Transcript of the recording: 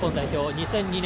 ２００２年